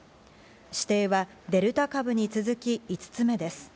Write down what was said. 指定はデルタ株に続き５つ目です。